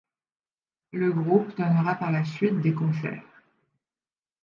Le groupe donnera par la suite des concerts.